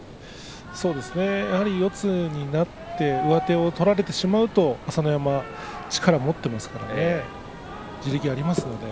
そうですね四つになって上手を取られてしまうと朝乃山力を持っていますからね地力がありますので。